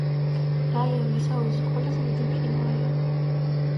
რიონის აუზის ყველაზე დიდი მყინვარია.